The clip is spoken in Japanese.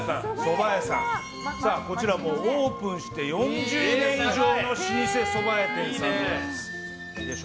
こちらはオープンして４０年以上の老舗そば店です。